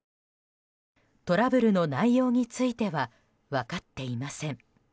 トラブルの内容については分かっていません。